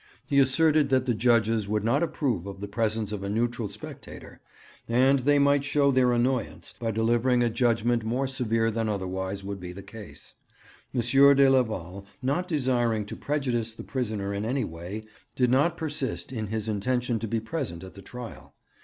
He asserted that the judges would not approve of the presence of a neutral spectator, and they might show their annoyance by delivering a judgement more severe than otherwise would be the case. M. de Leval, not desiring to prejudice the prisoner in any way, did not persist in his intention to be present at the trial.